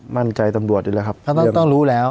มั่นใจตำรวจอยู่แล้วครับเขาต้องรู้แล้ว